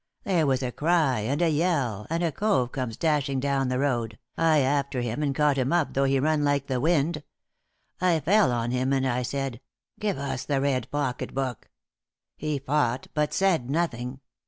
There was a cry and a yell, and a cove comes dashing down the road, I after him and caught him up, though he run like the wind. I fell on him, and I said: 'Give us the red pocket book!' He fought, but said nothing.